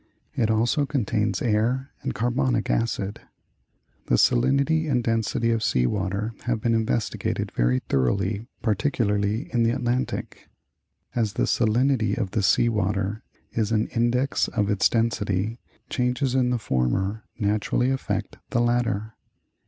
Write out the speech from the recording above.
It also contains air and carbonic acid. The salinity and density of sea water have been investigated very thoroughly, particularly in the Atlantic. As the salinity of the sea water is an index of its density, changes in the former naturally affect the latter.